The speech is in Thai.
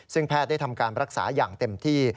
ซึ่งแพทย์ได้ทำการรักษาอย่างเต็มที่